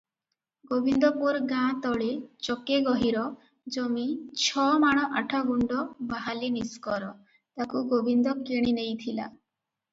ଗୋବିନ୍ଦପୁର ଗାଁତଳେ ଚକେ ଗହୀର ଜମି ଛମାଣ ଆଠଗୁଣ୍ତ ବାହାଲି ନିଷ୍କର, ତାକୁ ଗୋବିନ୍ଦ କିଣିନେଇଥିଲା ।